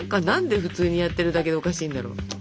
何で普通にやってるだけでおかしいんだろう？